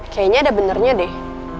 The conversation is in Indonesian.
kayaknya ada benernya deh